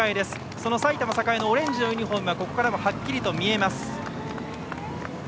その埼玉栄のオレンジのユニフォームはここからははっきりと見えます。